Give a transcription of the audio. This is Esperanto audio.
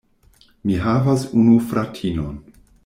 Mi havas unu fratinon.